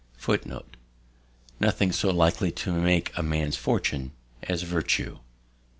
Nothing so likely to make a man's fortune as virtue.